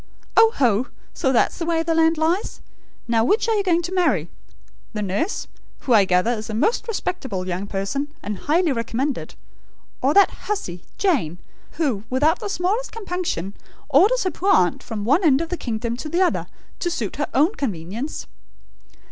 "Oh ho! So that's the way the land lies! Now which are you going to marry? The nurse, who, I gather, is a most respectable young person, and highly recommended; or that hussy, Jane; who, without the smallest compunction, orders her poor aunt from one end of the kingdom to the other, to suit her own convenience?"